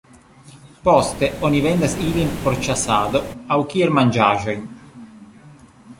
Poste oni vendas ilin por ĉasado aŭ kiel manĝaĵon.